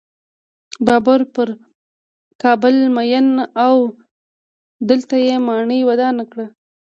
بابر پر کابل مین و او دلته یې ماڼۍ ودانه کړه.